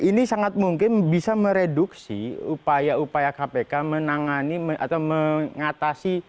ini sangat mungkin bisa mereduksi upaya upaya kpk menangani atau mengatasi